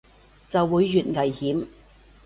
就會越危險